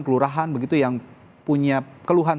kelurahan begitu yang punya keluhan